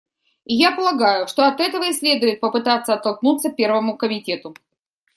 И я полагаю, что от этого и следует попытаться оттолкнуться Первому комитету.